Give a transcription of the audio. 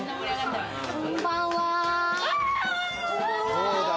こんばんは。